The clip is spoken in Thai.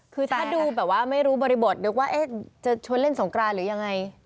คือถ้าดูแบบว่าไม่รู้บริบทนึกว่าจะชวนเล่นสงกรานหรือยังไง